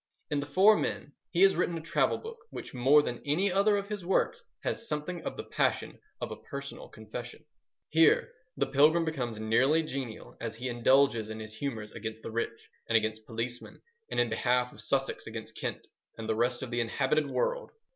In The Four Men he has written a travel book which more than any other of his works has something of the passion of a personal confession. Here the pilgrim becomes nearly genial as he indulges in his humours against the rich and against policemen and in behalf of Sussex against Kent and the rest of the inhabited world.